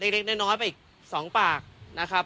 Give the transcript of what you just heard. เล็กน้อยไปอีก๒ปากนะครับ